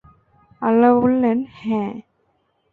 আল্লাহ্ বললেন, হ্যাঁ।